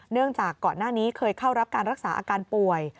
จากก่อนหน้านี้เคยเข้ารับการรักษาอาการป่วย